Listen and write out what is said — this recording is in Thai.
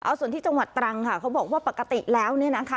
เอาส่วนที่จังหวัดตรังค่ะเขาบอกว่าปกติแล้วเนี่ยนะคะ